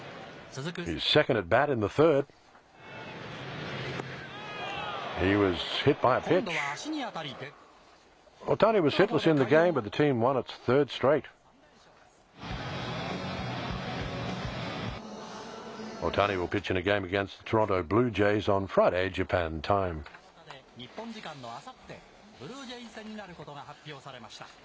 そして、大谷の次の登板は、中７日で日本時間のあさって、ブルージェイズ戦になることが発表されました。